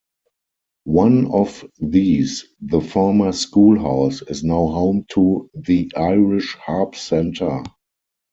One of these, the former schoolhouse, is now home to the Irish Harp Centre.